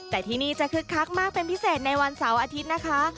แต่ที่นี่จะคึกคักมากเป็นพิเศษในวันเสาร์อาทิตย์นะคะ